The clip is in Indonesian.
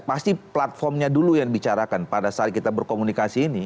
pasti platformnya dulu yang dibicarakan pada saat kita berkomunikasi ini